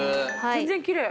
全然きれい。